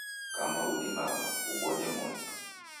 Kama udimagha, ubonye moni